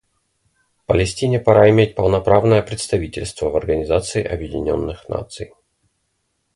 Палестине пора иметь полноправное представительство в Организации Объединенных Наций.